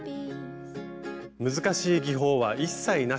難しい技法は一切なし。